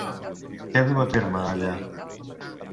Què du a terme allà?